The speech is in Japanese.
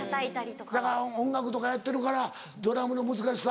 だから音楽とかやってるからドラムの難しさ。